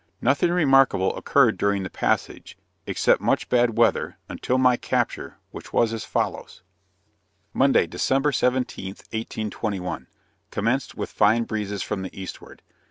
Nothing remarkable occurred during the passage, except much bad weather, until my capture, which was as follows: Monday, December 17th, 1821, commenced with fine breezes from the eastward.